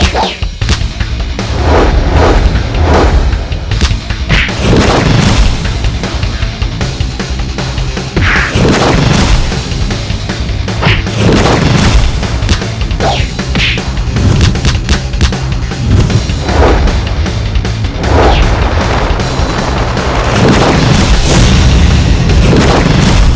kami akan menghina kalian